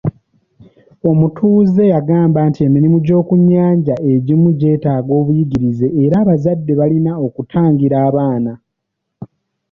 Omutuuze yagamba nti emirimu gy'okunnyanja egimu gyeetaaga buyigirize era abazadde balina okutangira abaana.